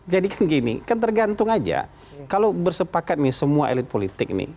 jadi kan gini kan tergantung aja kalau bersepakat nih semua elit politik nih